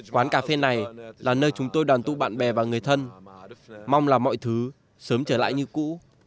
quán cà phê này là nơi chúng tôi đoàn tụ bạn bè và người thân mong là mọi thứ sớm trở lại như cũ